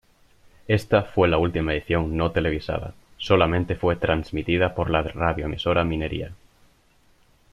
Esta fue la última edición no televisada, solamente fue transmitida por la radioemisora Minería.